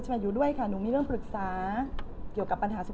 ใช่มั้ย